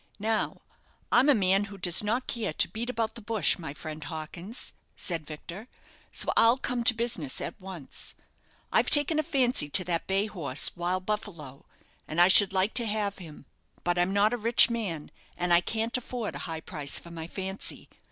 "Now, I'm a man who does not care to beat about the bush, my friend Hawkins," said Victor, "so I'll come to business at once. I've taken a fancy to that bay horse, 'Wild Buffalo,' and I should like to have him; but I'm not a rich man, and I can't afford a high price for my fancy.